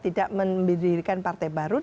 tidak mendirikan partai baru